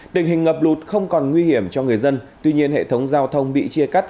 tình hình ngập lụt không còn nguy hiểm cho người dân tuy nhiên hệ thống giao thông bị chia cắt